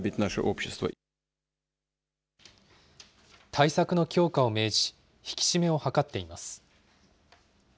対策の強化を命じ、引き締めを図っています。